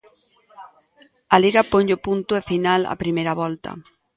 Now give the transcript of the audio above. A Liga ponlle o punto e final a primeira volta.